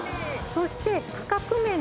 そして。